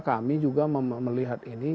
kami juga melihat ini